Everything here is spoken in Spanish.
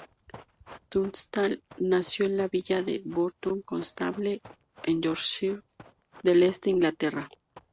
Tunstall nació en la villa de Burton Constable en Yorkshire del Este, Inglaterra.